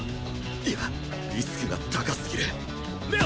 いやリスクが高すぎる玲王！